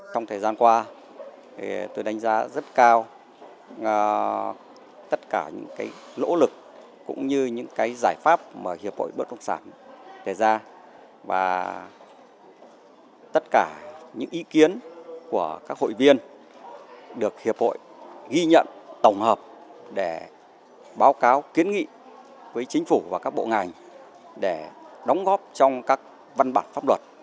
trong thời gian qua tôi đánh giá rất cao tất cả những lỗ lực cũng như những giải pháp mà hiệp hội bất động sản đề ra và tất cả những ý kiến của các hội viên được hiệp hội ghi nhận tổng hợp để báo cáo kiến nghị với chính phủ và các bộ ngành để đóng góp trong các văn bản pháp luật